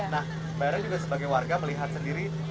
nah mbak hera juga sebagai warga melihat sendiri